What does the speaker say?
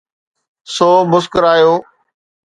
سو مسڪرايو.